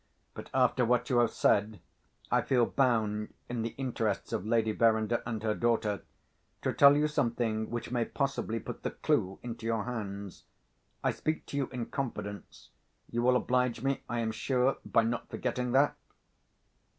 But, after what you have said, I feel bound, in the interests of Lady Verinder and her daughter, to tell you something which may possibly put the clue into your hands. I speak to you in confidence; you will oblige me, I am sure, by not forgetting that?"